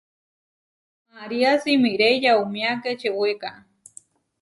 María simiré yauméa Kečeweka.